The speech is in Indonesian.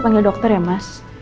panggil dokter ya mas